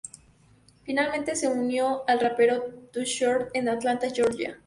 Finalmente, se unió al rapero Too Short en Atlanta, Georgia.